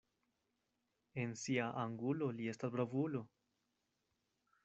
En sia angulo li estas bravulo.